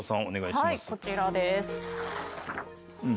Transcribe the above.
お願いします。